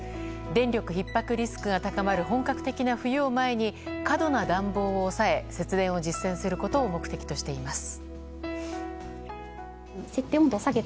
電力ひっ迫リスクが高まる本格的な冬を前に過度な暖房を抑え、節電を実践することを目的としています。